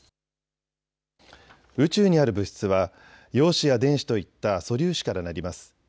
宇宙にある物質は陽子や電子といった素粒子からなります。